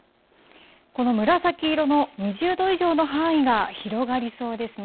この紫色の２０度以上の範囲が広がりそうですね。